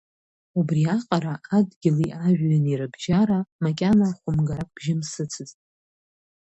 Убриаҟара адгьыли ажәҩани рыбжьара макьана хәымгарак бжьымсыцызт.